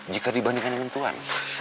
jika dibandingkan dengan tuhan